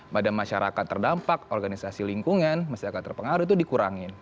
pada masyarakat terdampak organisasi lingkungan masyarakat terpengaruh itu dikurangin